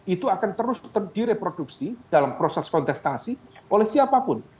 itu akan terus direproduksi dalam proses kontestasi oleh siapapun